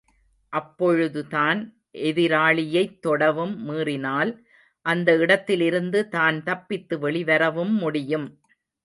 அப்பொழுதுதான் எதிராளியைத் தொடவும், மீறினால், அந்த இடத்திலிருந்து தான் தப்பித்து வெளிவரவும் முடியும்.